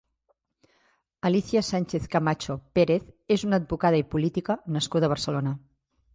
Alicia Sánchez-Camacho Pérez és una advocada i política nascuda a Barcelona.